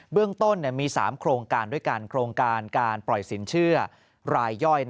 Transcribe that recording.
เรื่องต้นมี๓โครงการด้วยกันโครงการการปล่อยสินเชื่อรายย่อย